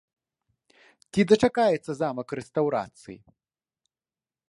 Ці дачакаецца замак рэстаўрацыі?